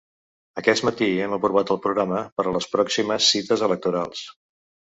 Aquest matí hem aprovat el programa per a les pròximes cites electorals.